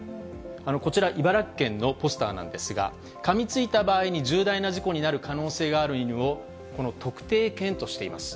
こちら、茨城県のポスターなんですが、かみついた場合に重大な事故になる可能性がある犬を、この特定犬としています。